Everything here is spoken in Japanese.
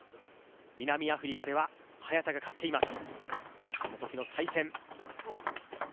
南アフリカでは早田が勝っています。